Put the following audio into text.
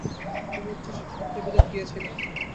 তিনি উচ্চশিক্ষার্থে বিলেত গিয়েছিলেন।